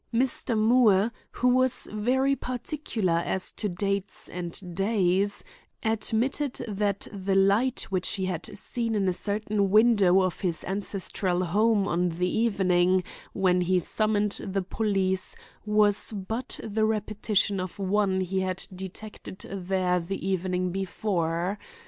Mr. Moore, who was very particular as to dates and days, admitted that the light which he had seen in a certain window of his ancestral home on the evening when he summoned the police was but the repetition of one he had detected there the evening before.